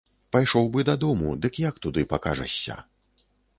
Пайшоў бы дадому, дык як туды пакажашся?